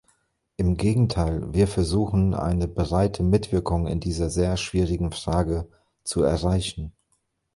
Im Gegenteil, wir versuchen, eine breite Mitwirkung in dieser sehr schwierigen Frage zu erreichen.